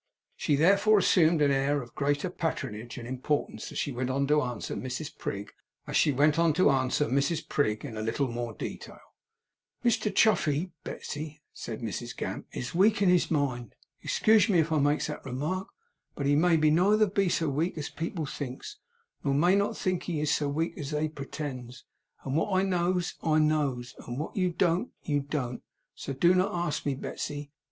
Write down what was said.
She therefore assumed an air of greater patronage and importance, as she went on to answer Mrs Prig a little more in detail. 'Mr Chuffey, Betsey,' said Mrs Gamp, 'is weak in his mind. Excuge me if I makes remark, that he may neither be so weak as people thinks, nor people may not think he is so weak as they pretends, and what I knows, I knows; and what you don't, you don't; so do not ask me, Betsey.